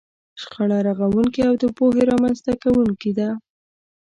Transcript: شخړه رغونکې او د پوهې رامنځته کوونکې ده.